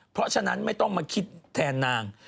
เพราะฉะนั้นไม่ต้องมาคิดแทนนาง